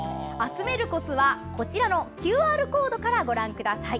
集めるコツは、こちらのＱＲコードからご覧ください。